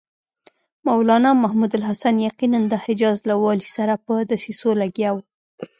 مولنا محمودالحسن یقیناً د حجاز له والي سره په دسیسو لګیا و.